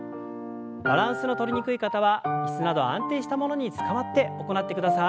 バランスのとりにくい方は椅子など安定したものにつかまって行ってください。